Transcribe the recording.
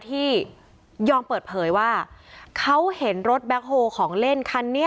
ที่ยอมเปิดเผยว่าเขาเห็นรถแบ็คโฮของเล่นคันนี้